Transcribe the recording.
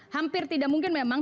hampir tidak mungkin memang